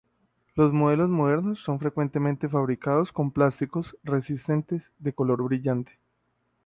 Los modelos modernos son frecuentemente fabricados con plástico resistente de color brillante.